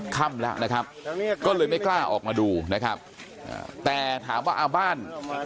ค่ำแล้วนะครับก็เลยไม่กล้าออกมาดูนะครับแต่ถามว่าเอาบ้าน